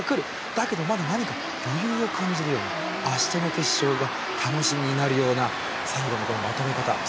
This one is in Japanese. だけどまだ余裕を感じるような明日の決勝が楽しみになるような最後のまとめ方。